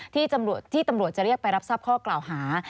ที่ตำรวจจะเรียกไปรับทราบข้อกล่าวหา